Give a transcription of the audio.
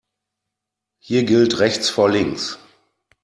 Hier gilt rechts vor links.